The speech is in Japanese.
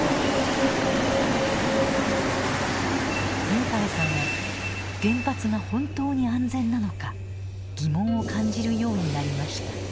早川さんは原発が本当に安全なのか疑問を感じるようになりました。